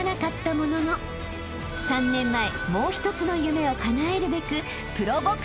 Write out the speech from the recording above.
［もう一つの夢をかなえるべく］